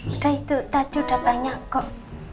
udah itu taju udah banyak kok